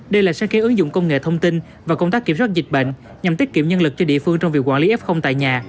đây là sáng kiến ứng dụng công nghệ thông tin và công tác kiểm soát dịch bệnh nhằm tiết kiệm nhân lực cho địa phương trong việc quản lý f tại nhà